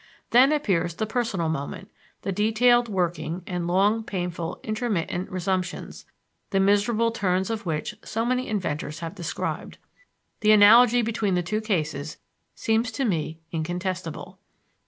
Then appears the personal moment, the detailed working and long, painful, intermittent resumptions, the miserable turns of which so many inventors have described. The analogy between the two cases seems to me incontestable.